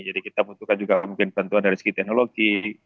jadi kita butuhkan juga mungkin bantuan dari segi teknologi